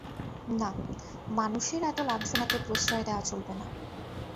না– মানুষের এত লাঞ্ছনাকে প্রশ্রয় দেওয়া চলবে না।